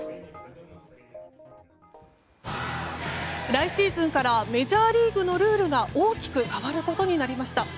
来シーズンからメジャーリーグのルールが大きく変わることになりました。